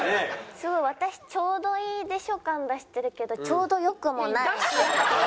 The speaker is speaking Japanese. すごい私ちょうどいいでしょ感出してるけどちょうどよくもない。